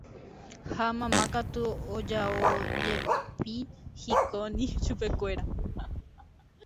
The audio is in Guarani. ha mamá katu oja'ójepi hikóni chupekuéra